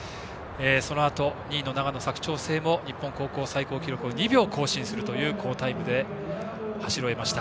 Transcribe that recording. そのあと２位の長野・佐久長聖も日本高校最高記録を２秒更新するという好タイムで走り終えました。